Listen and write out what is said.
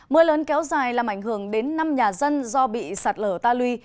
mưa lớn kéo dài làm ảnh hưởng đến năm nhà dân do bị sạt lở ta lui